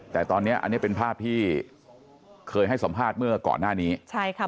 แต่ตอนนี้อันนี้เป็นภาพที่เคยให้สัมภาษณ์เมื่อก่อนหน้านี้ใช่ค่ะ